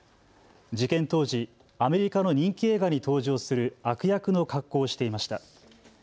事件当時、アメリカの人気映画に登場する悪役の格好していました。